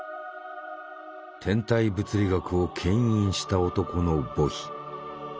天体物理学を牽引した男の墓碑。